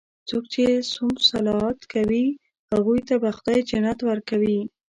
څوک چې صوم صلات کوي، هغوی ته به خدا جنت ورکوي.